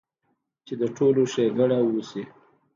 چې د ټولو ښېګړه اوشي -